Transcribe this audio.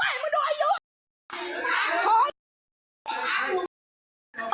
คุณผู้ชมจะเห็นว่าตำรวจอยู่ในเหตุการณ์นี้ด้วยนะคะ